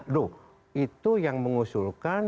loh itu yang mengusulkan